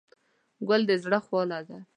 ګل د زړه خواله ده.